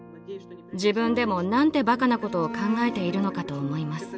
自分でも何てバカなことを考えているのかと思います。